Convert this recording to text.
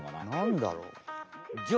なんだろう？